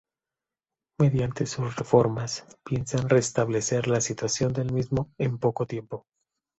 Mediante sus reformas, piensa restablecer la situación del mismo en poco tiempo.